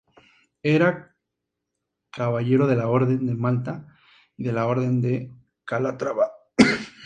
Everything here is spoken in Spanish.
Era caballero de la Orden de Malta y de la Orden de Calatrava.